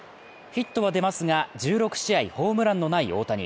ヒットは出ますが、１６試合ホームランのない大谷。